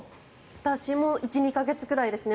私も１２か月ぐらいですね。